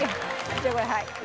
じゃあこれはい。